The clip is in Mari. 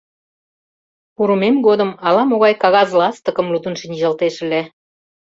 Пурымем годым ала-могай кагаз ластыкым лудын шинчылтеш ыле.